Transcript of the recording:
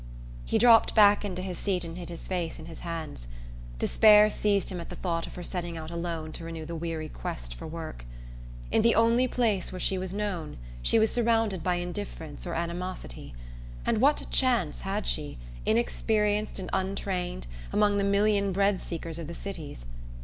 He dropped back into his seat and hid his face in his hands. Despair seized him at the thought of her setting out alone to renew the weary quest for work. In the only place where she was known she was surrounded by indifference or animosity; and what chance had she, inexperienced and untrained, among the million bread seekers of the cities?